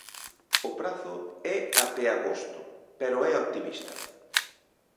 O prazo é até agosto, pero é optimista.